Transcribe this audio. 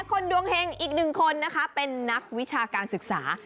คนดวงเฮงอีกหนึ่งคนนะคะเป็นนักวิชาการศึกษา